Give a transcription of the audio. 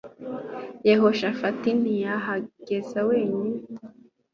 Yehoshafati ntiyahagaze wenyine